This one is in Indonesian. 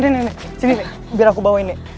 nenek sini nek biar aku bawain nek